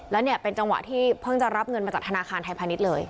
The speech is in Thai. แล้วเนี่ยเป็นจังหวะที่เพิ่งจะรับเงินมาจากธนาคารไทยพาณิชย์เลย